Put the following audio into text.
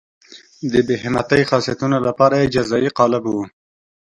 د بې همتۍ د خاصیتونو لپاره یې جزایي قالب وو.